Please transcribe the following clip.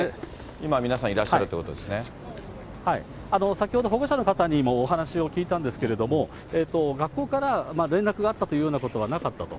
先ほど、保護者の方にもお話を聞いたんですけれども、学校から連絡があったというようなことはなかったと。